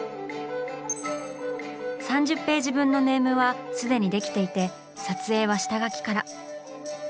３０ページ分のネームは既にできていて撮影は下描きから。